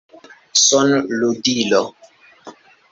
Son-ludilo